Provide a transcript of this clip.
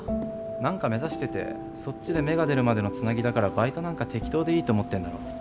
何か目指しててそっちで芽が出るまでのつなぎだからバイトなんか適当でいいと思ってるんだろ。